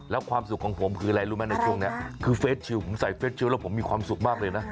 แล้วความสุขของผมคืออะไรรู้ไหมในช่วงนี้คือเฟสชิลผมใส่เฟสชิลแล้วผมมีความสุขมากเลยนะ